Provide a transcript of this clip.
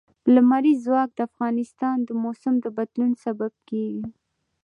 لمریز ځواک د افغانستان د موسم د بدلون سبب کېږي.